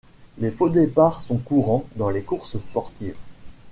Les faux départs sont courants dans les courses sportives.